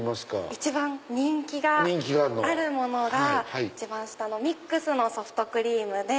一番人気があるものが一番下のミックスのソフトクリームで。